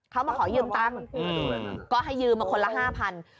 เขามาขอยืมตังค์ก็ให้ยืมมาคนละ๕๐๐บาท